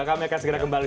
kami akan segera kembali